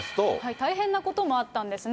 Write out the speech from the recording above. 大変なこともあったんですね。